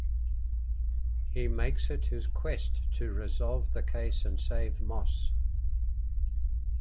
He makes it his quest to resolve the case and save Moss.